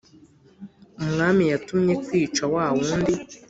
umwami yatumye kwica wawundi